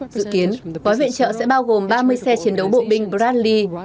dự kiến gói viện trợ sẽ bao gồm ba mươi xe chiến đấu bộ binh bradli